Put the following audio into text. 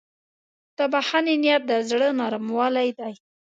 د بښنې نیت د زړه نرموالی دی.